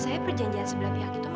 misalnya aku mau baca sms boleh ya mas